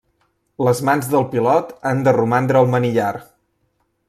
Les mans del pilot han de romandre al manillar.